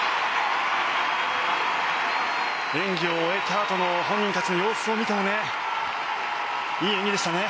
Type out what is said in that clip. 演技を終えたあとの本人たちの様子を見てもいい演技でしたね。